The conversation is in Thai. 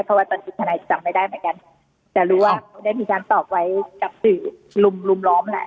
เพราะว่าตอนนี้ทนายจำไม่ได้เหมือนกันแต่รู้ว่าเขาได้มีการตอบไว้กับสื่อลุมรุมล้อมแหละ